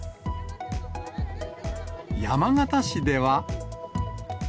山形市では。